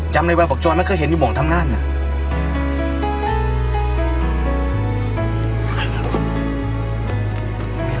จำเลยว่าบอกจรไม่เคยเห็นอยู่ห่องทำงานน่ะ